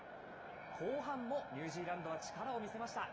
後半もニュージーランドは力を見せました。